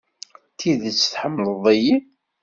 D tidet tḥemmleḍ-iyi?